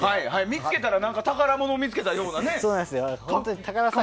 見つけたら宝物を見つけたみたいなね。